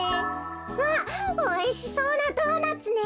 あっおいしそうなドーナツね。